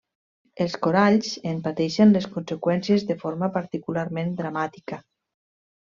Els coralls en pateixen les conseqüències de forma particularment dramàtica.